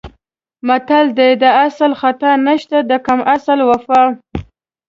متل دی: د اصل خطا نشته د کم اصل وفا.